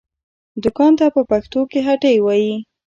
دوکان ته په پښتو کې هټۍ وايي